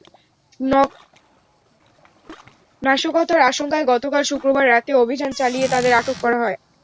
নাশকতার আশঙ্কায় গতকাল শুক্রবার রাতে অভিযান চালিয়ে তাঁদের আটক করা হয়।